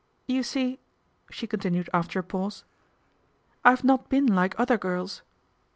" You see," she continued after a pause, " I've not been like other girls.